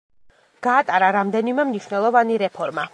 გაატარა რამდენიმე მნიშვნელოვანი რეფორმა.